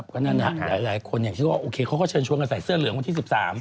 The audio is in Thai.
ก็นั่นหลายคนอย่างที่ว่าโอเคเขาก็เชิญชวนกันใส่เสื้อเหลืองวันที่๑๓